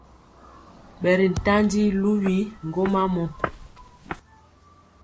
Ɓɛri ntandi luwi ŋgwoma mɔ.